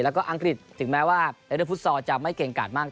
แล้วก็อังกฤษถึงแม้ว่าในเรื่องฟุตซอลจะไม่เก่งกาดมาก